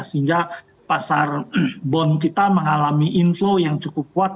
sehingga pasar bond kita mengalami inflow yang cukup kuat